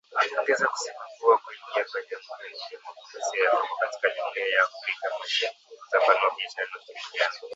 Wameongeza kusema kuwa kuingia kwa Jamhuri ya Kidemokrasia ya Kongo katika Jumuiya ya Afrika Mashariki kutapanua biashara na ushirikiano